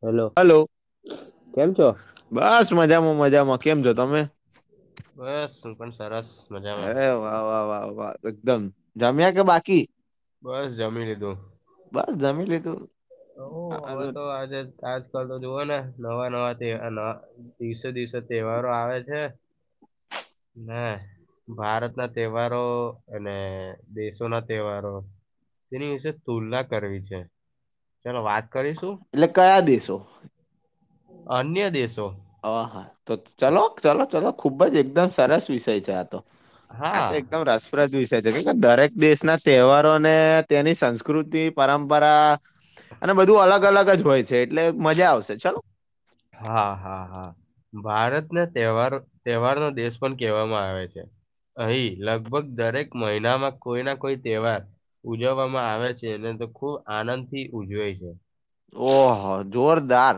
Hello. Hello કેમ છો? બસ મજામાં-મજામાં. કેમ છો તમે? બસ હું પણ સરસ મજામાં અરે વાહ-વાહ-વાહ-વાહ એકદમ જમ્યા કે બાકી બસ જમી લીધું. બસ જમી લીધું. હો. હવે અરે, તો આજે આજકાલ તો જુઓ ને નવા-નવા [unintelligible] દિવસે-દિવસે તહેવારો આવે છે. ને ભારત ના તહેવારો અને દેશો ના તહેવારો. તેની વિશે તુલના કરવી છે. ચલો વાત કરીશું? એટલે કયા દેશો અન્ય દેશો અહા. તો ચલો ચાલો ચલો ખુબ જ એકદમ સરસ વિષય છે આ તો. આ તો હા એકદમ રસપ્રદ વિષ ષય છે. દરેક દેશના તહેવારોને તેની સંસ્કૃતિ, પરંપરા અને બધું અલગ-અલગ જ હોય છે. એટલે મજા આવશે ચલો. હા, હા, હા. ભારતને તહેવાર-તહેવારનો દેશ પણ કહેવામાં આવે છે. અહીં લગભગ દરેક મહિનામાં કોઈ ના કોઈ તહેવાર ઉજવવામાં આવે છે. એટલે તો ખુબ આનંદ થી ઉજવે છે. ઓહ જોરદાર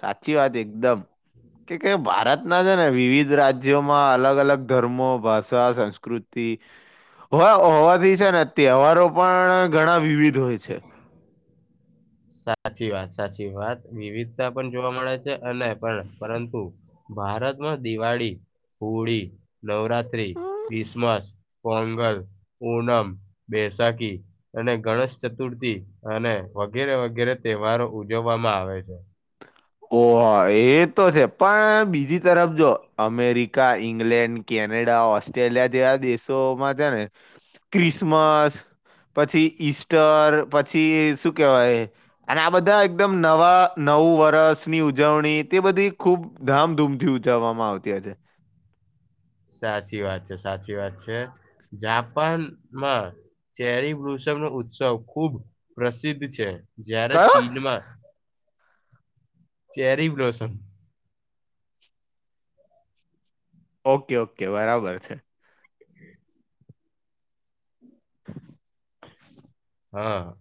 સાચી વાત એકદમ કે કે ભારત આપણા છે ને વિવિધ રાજ્યોમાં અલગ-અલગ ધર્મો, ભાષા, સંસ્કૃતિ, હા હોવાથી છે ને તહેવારો પણ ઘણા વિવિધ હોય છે. [inaudible] સાચી વાત સાચી વાત વિવિધતા પણ જોવા મળે છે અને પણ પરંતુ ભારતમાં દિવાળી, હોળી, નવરાત્રી, હમ. ક્રિસમસ. કોંગલ, ઉનમ, બેસાખી અને ગણેશ ચતુર્થી અને વગેરે વગેરે તહેવારો ઉજવવામાં આવે છે. ઓહા એ તો છે પણ બીજી તરફ જો અમેરિકા ઈંગ્લેન્ડ કે કેનેડા ઓસ્ટ્રેલિયા જેવા દેશોમાં છે ને, ક્રિસમસ. પછી ઈસ્ટર પછી શું કેહેવાય, અને આ બધા એકદમ નવા નવ વર્ષની ઉજવણી તે બધી ખૂબ ધામધૂમથી ઉજવવામાં આવતી છે. સાચી વાત છે સાચી વાત છે, જાપાનમાં ચેરી વૃષભ નો ઉત્સવ ખુબ પ્રસિદ્ધ છે. જ્યારે કયો ચીનમાં, ચેરી બ્સમ ઓકે ઓકે બરાબર છે. હ [inaudible] હા.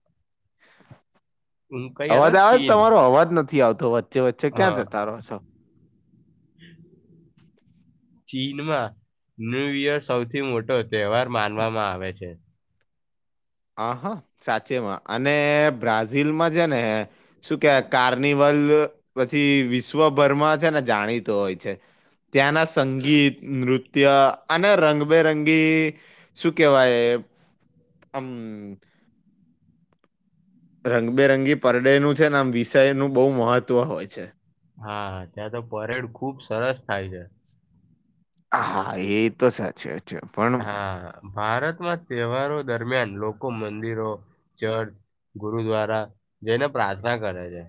હું કઈ હતો અવાજ આવે ચીન તમારો અવાજ નથી આવતો વચ્ચે વચ્ચે ક્યાં જતા રહો છો? ચીન માં. ન્યૂ યર સૌથી મોટો તહેવાર માનવામાં આવે છે. હ હા સાચેમાં અને બ્રાઝિલમાં છે ને, શું કે કાર્નિવલ લ પછી વિશ્વભરમાં છે ને જાણીત હોય છે. ત્યાના સંગીત, નૃત્ય. અને રંગબેરંગી શું કેવાય આમ. રંગબેરંગી પરડેનું છે ને આમ વિષયનું બહુ મહત્વ હોય છે. હા ત્યાં તો પરેડ ખુબ સરસ થાય છે. હા એ તો સાચ હા ભારતમાં તહેવારો દરમિયાન લોકો મંદિરો. ચર્ચ, ગુરુદ્વારા જેઈને પ્રાર્થના કરે છે.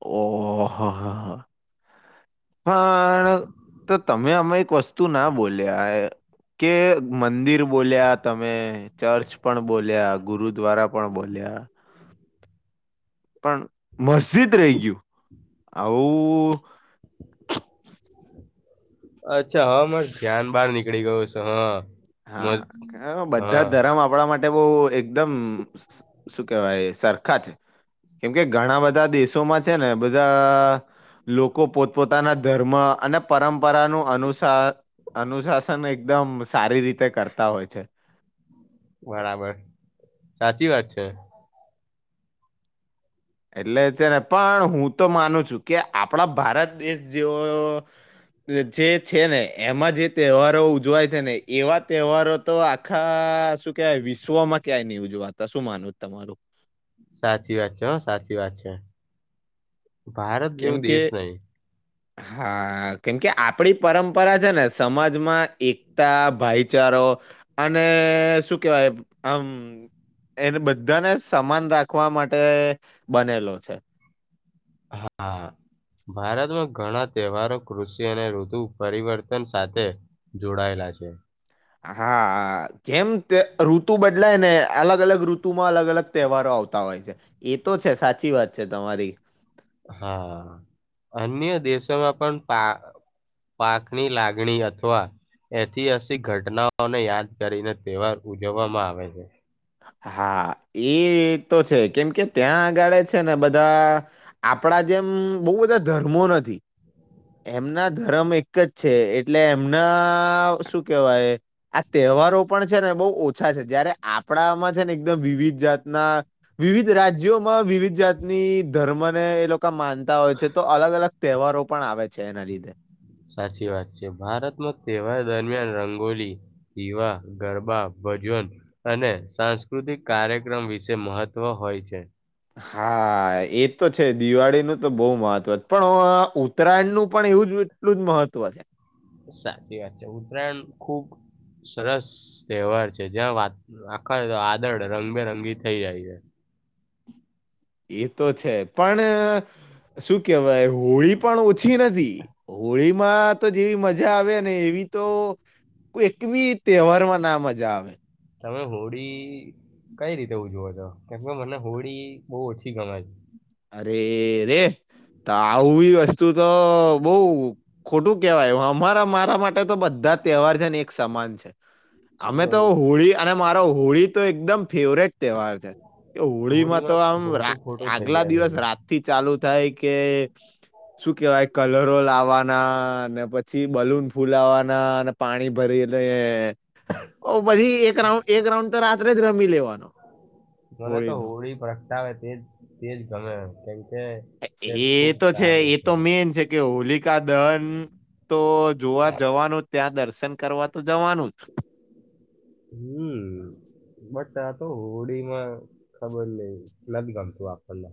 ઓહા હા હા. પણ તો તમે અમે એક વસ્તુ ના બોલ્યા. કે મંદિર બોલ્યા તમે ચર્ચ પણ બોલ્યા ગુરુદ્વારા પણ બોલ્યા. પણ મસ્જિદ રહી ગયું આવું. અચ્છા હ મસ્ ધ્યાન બહાર નીકળી ગયો છે હા. મ હા બધા હા ધર્મ આપણા માટે માટે બહ એકદમ શું કેહેવાય સરખા છે. કેમ કે ઘણા બધા દેશોમાં છે ને બધા લોકો પોતપોતાના ધર્મ અને પરંપરાનું અનુસાર અનુશાસન એકદમ સારી રીતે કરતા હોય છે. બરાબર સાચી વાત છે. એટલે છે ને પણ હું તો માનું છું કે આપણા ભારત દેશ જેવો જે છે ને એમાં જે તહેવારો ઉજવાય છે ને એવા તહેવારો તો આખા શું કેવાય વિશ્વમાં ક્યાંય નહીં ઉજવાતા શું માનવુ તમારું? સાચી વાત છે હ સાચી વાત છે, ભારત કેમ જેવું કે દેશ નહીં. હા કેમકે આપડી પરંપરા છે ને સમાજમાં એકતા ભાઈચા રો, અને શું કેવાય આમ એને બધાને સમાન રાખવા માટે બનેલો છે. હા. ભારતમાં ઘણા તહેવારો કૃષિ અને ઋતુ પરિવર્તન સાથે જોડાયેલા છે. હા જેમ તે ઋતુ બદલાય ને અલગ અલગ ઋતુ માં અલગ અલગ તહેવારો આવે હોતા હોય છે એ તો છે સાચી વાત છે તમારી. હા અન્ય દેશોમાં પણ પા પાકની લાગણી અથવા, ઐતિહાસિક ઘટનાઓને યાદ કરીને તહેવાર ઉજવવામાં આવે છે. હા એ-એ તો છે કેમ કે ત્યાં આગાળે છે ને બધા આપણ આપણા જેમ બહુ બધા ધર્મો નથી. એમના ધર્મ એક જ છે એટલે એમના શું કેવાય આ તે તહેવારો પણ છે ને બહુ ઓછા છે જયારે આપ આપડામાં છે ને એકદમ વિવિધ જાતના વિવિધ રાજ્યોમાં વિવિધ જાતની ધર્મને એ લોકો માનતા હોય છે તો અલગ-અલગ તહેવારો પણ આવે છે એના લીધે. સાચી વાત છે. ભારતમાં તહેવાર દરમિયાન રંગોલી પીવા, ગરબા, ભજન અને સાંસ્કૃતિક કાર્યક્રમ વિશે મહત્વ હો હોય છે. હા એ તો છે દિવાળીનું તો બહુ મહત્વ પણ ઉત્તરાયણનું પણ એવું જ એટલું-એટલું જ મહત્વ છે. સાચી વાત છે. ઉત્તરાયણ ખુબ સરસ તહેવાર છે જ્યા વાત આખા વાદળ રંગબેરંગી થઈ જાય છે. એ તો છે પણ શું કેહેવાય હોળી પણ ઓછી નથી. હોળી માં તો જેવી મજા આવેને એવી તો કોઈક બી તહેવારમાં ના મજા આવે. તમે હોળી કઈ રીતે ઉજવો. છો. કેમ કે મને હોળી બહુ ઓછી ગમે છે. અરે-રે. તો આવુય વસ્તુ તો બઉ ખોટું કહેવાય, અમારા મારા માટે તો બધા તહેવાર છે ને એક સમાન છે. શું અમે તો કરું? હોળી અને મારો હોળી તો એકદમ ફેવરેટ તહેવાર છે. કે હોળીમાં તો આમ ખોટું ખોટું [unintelligible] થઈ આગલા જાય દિવસ બધું. રાતથી ચાલુ થાય કે શું કહેવાય કલરો લાવવાના ને, પછી બલૂન ફુલાવવાના અને પાણી ભરી લે. ઓ બધી એક રાઉન્ડ-એક રાઉન્ડ તો રાત્રે જ રમી લેવાનો. મને તો હોળીનો. હોળી પ્રગટાવે તેજ તેજ ગમે, કેમકે તે એ ખુબ તો સારું એ છે. તો મેન છે કે હોલિકા દહન તો જોવા જવાનું ત્યાં દર્શન કરવા તો જવાનું જ. તાં તો હોડી માં ખબર નહીં, નથ ગમતું આપણને.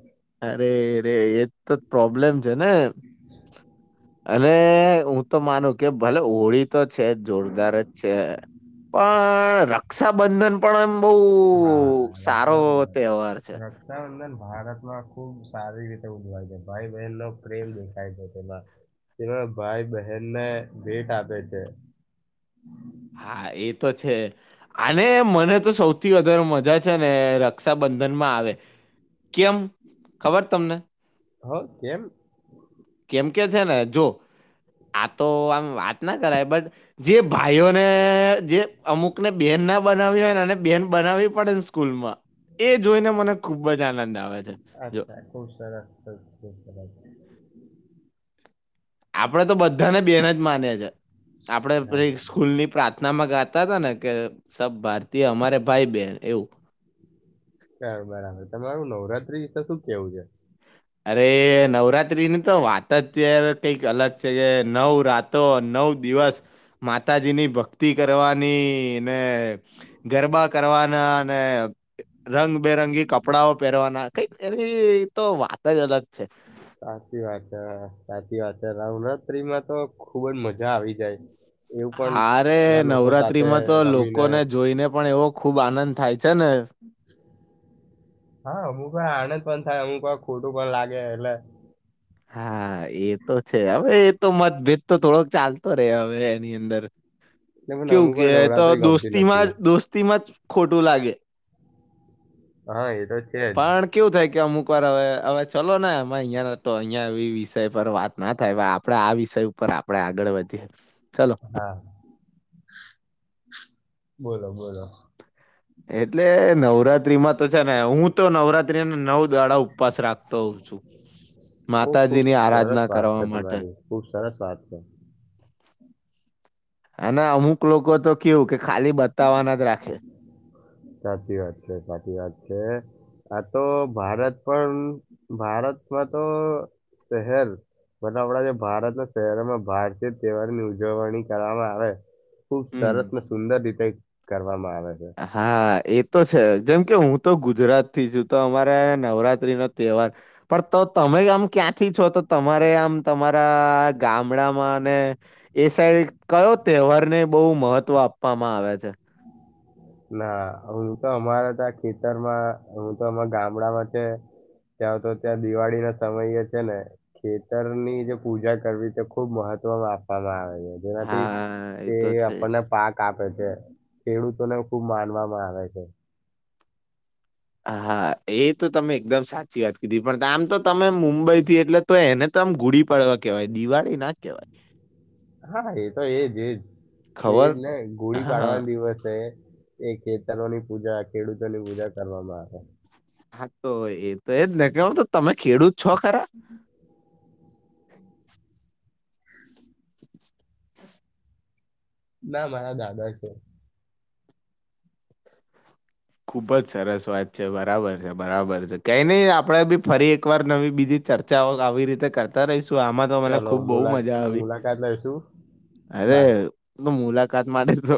અરે રે, એજ તો જ પ્રોબ્લેમ છે ને. અને હું તો માનું કે ભલે હોળી તો છે જોરદાર જ છે પણ રક્ષાબંધન પણ એમ બહુ હા સારો રક્ષાબંધન. તહેવાર છે. રક્ષાબંધન ભારતમાં ખુબ સારી રીતે ઉજવાય છે. ભાઈ બહેનનો પ્રેમ દેખાય છે તેમાં. જેમાં ભાઈ બહેનને ભેટ આપે છે. હા એ તો છે. અને મને તો સૌથ થી વધારે મજા છે ને રક્ષાબંધનમાં આવે. કેમ? ખબર છ તમને? હા કેમ? કે કેમ છે ને જો આ તો આમ વાતના કરાય, બટ જે ભાઈઓને જે અમુકને બેન ના બનાવી હોય, એને બહેન બનાવી પડે ને સ્કૂલમાં એ જોઈને મને ખૂબ જ આનંદ આવે છે જો અચ્છા ખૂબ સરસ ખૂબ સરસ [inaudible] આપડે તો બધાને બેન જ માનીએ છે. આપડે હા પેલી સ્કૂલની પ્રાર્થનામાં ગાતા, હતા, ને કે સબ ભારતીય હમારે ભાઈ બહેન એવુ તો શું કેવું છે. અરે નવરાત્રીની તો વાત જ છે, અવે કઈક અલગ છે, કે નવ રાતો નવ નવ દિવસ માતાજીની, ભક્તિ ભક્તિ કરવાની, ને ગરબા કરવાના ને રંગબેરગી કપડાઓ પહેરવાના, કઈક એની તો વાત જ અલગ છે. સાચી વાત છે, સાચી સાચી વાત, નવરાત્રીમા તો ખુબજ મજા આવી જાય એવું પણ હા રે બધા લોકો સાથે નવરાત્રીમા, તો રમીને લોકોને જોઈને પણ એવો ખુબ, આનંદ થાય છેને. હા, અમુક વાર આનંદ પણ થાય, અમુક વાર ખોટું પણ લાગે એટલે હા, એ તો છે. હવે એ તો મતભેદ તો થોડોક ચાલતો રહેે, હવે એની અંદર એટલે મને કેવું અમુક કે વાર એ તો નવરાત્રી ગમતી દોસ્તીમા નથી દોસ્તીમા જ ખોટુ, લાગે હા, એ તો છેજ. પણ કેવું થાય કે અમુક વાર હવે, હવે ચલો ને અમે અહીંયા તો અહિયાં એ વિષય પર વાતના થાય, આપણેે આ વિષય ઉપર આપણે આગળ વધીએ ચલો હા બોલો, બોલો એટલે નવરાત્રીમાં તો છે ને, હુ તો નવરાત્રીને નવ દાડા ઉપવાસ રાખતો હોઉં છું ઓ ખુબ માતાજીની સરસ આરાધના વાત કરવા છે, માટે તમારી ખુબ સરસ વાત છે. [inaudible] અને અમુક લોકો, તો કેવુ કે ખાલી બતાવાના જ રાખે સાચી વાત છે, સાચી વાત છે. આ તો ભારત પણ ભારતમા, તો શહેર મતલબ આપણા, જે ભારતના શહેરોમા ભારતીય તહેવારની ઉજવણી, કરવામા આવે ખુબ હમ સરસ ને સુંદર રીતે કરવામા આવે છે હા, એતો છે, જેમ કે હુ તો ગુજરાતથી છુ, તો અમારે નવરાત્રીનો તહેવાર પણ તો તમે આમ ક્યાંથી છો, તો તમારે, આમ તમારા ગામડામાં ને એ સાઈડ કયો તહેવારને બહુ મહત્વ આપવામાં આવે છે. [inaudible] ના હુ, તો અમારા તો આ ખેતરમાં હું તો અમારા ગામડામાં છે. ત્યાં તો ત્યાં દિવાળીના સમય એ છે, ને ખેતરની જે પૂજા કરવી તે ખુબ મહત્વ ત્વ આપવામાં આવે છે, જેનાથી હા એ તે તો છે. આપણને પાક આપે ખેડૂતોને ખુબ માનવામાં આવે છે. હા એ તો તમે એકદમ સાચી વાત કીધી પણ આમ તો તમે મુંબઈ થી એટલે તો એને ત એકદમ, ઘૂડી પડવા કેવાય દિવાળી ના કેવાય હા એ તો એજ એજ એજ ખબર ને ગોળી હા પાડવાનો દિવસે એ ખેતરોની, પૂજા ખેડૂતોની, પૂજા કરવામાં આવે હા, તો એ તો એજ ને કે તો તમે ખેડૂત છો, ખરા [inaudible] ના મારા દાદા છે. ખુબ જ સરસ વાત છે, બરાબર છે, બરાબર છે, કઈ નહી. આપડે બી ફરી એકવાર નવી બીજી ચર્ચાઓ આવી, રીતે કરતા રહીશ આમાં તો મને ચલો ખુબ બહુ, મુલા મજા આવી, મુલાકાત લઈશું અરે બાય તો મુલાકાત, માટે તો